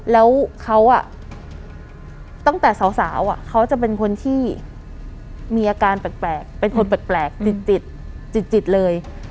แล้วเขาตั้งแต่สาวเขาจะเป็นคนที่มีอาการแปลกเป็นคนแปลกจิตจิตเลย